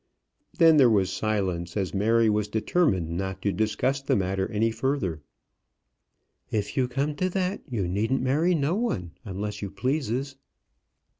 Then there was silence, as Mary was determined not to discuss the matter any further. "If you come to that, you needn't marry no one unless you pleases."